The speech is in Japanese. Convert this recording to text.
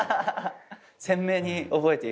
鮮明に覚えている。